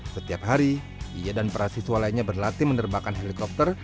setiap hari ia dan para siswa lainnya berlatih menerbakan helikopter